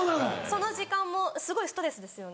その時間もすごいストレスですよね。